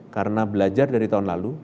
karena belajar dari tahun lalu